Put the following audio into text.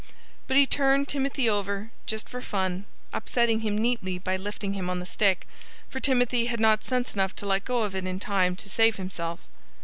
But he turned Timothy over, just for fun, upsetting him neatly by lifting him on the stick for Timothy had not sense enough to let go of it in time to save himself.